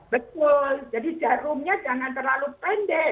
betul jadi jarumnya jangan terlalu pendek